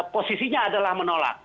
posisinya adalah menolak